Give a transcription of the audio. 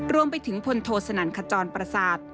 รวมไปถึงพลโทสนั่นขจรประสาท